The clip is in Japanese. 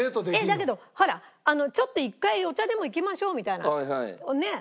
だけどほらちょっと一回お茶でも行きましょうみたいなねえ